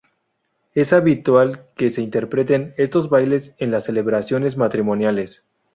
Es habitual que se interpreten estos bailes en las celebraciones matrimoniales.